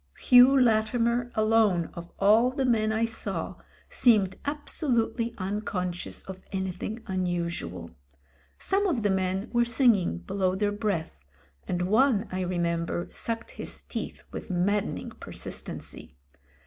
Hugh Latimer alone of all the men I saw seemed absolutely unconscious of anything unusual. Some of the men were singing be low their breath, and one I remember sucked his teeth with maddening persistency.